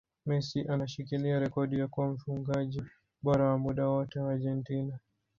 Messi anashikilia rekodi ya kuwa mfungaji bora wa muda wote wa Argentina